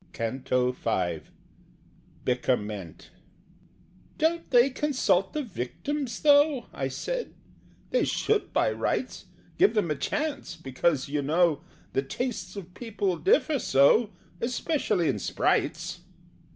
CANTO V. Byckerment. "Don't they consult the 'Victims,' though?" I said. "They should, by rights, Give them a chance because, you know, The tastes of people differ so, Especially in Sprites."